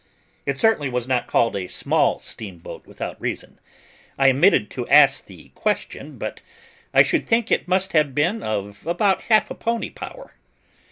It certainly was not called a small steamboat without reason. I omitted to ask the question, but I should think it must have been of about half a pony power.